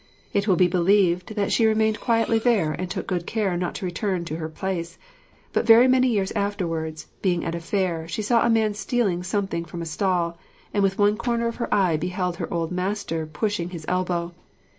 It will be believed that she remained quietly there, and took good care not to return to her place; but very many years afterwards, being at a fair, she saw a man stealing something from a stall, and with one corner of her eye beheld her old master pushing his elbow.